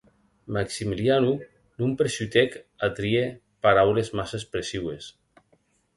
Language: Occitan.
Maximiliano non persutèc a tier paraules massa expressiues.